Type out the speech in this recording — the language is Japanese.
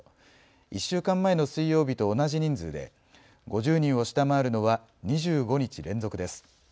１週間前の水曜日と同じ人数で５０人を下回るのは２５日連続です。